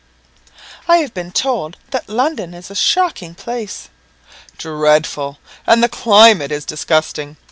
"I have been told that London is a shocking place." "Dreadful; and the climate is disgusting.